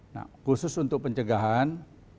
nah khusus untuk pencegahan